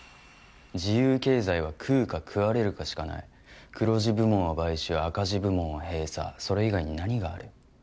自由経済は食うか食われるかしかない黒字部門は買収赤字部門は閉鎖それ以外に何がある？